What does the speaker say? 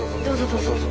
どうぞどうぞ。